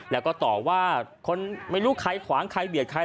แล้วก็ต่อว่าคนไม่รู้ใครขวางใครเบียดใคร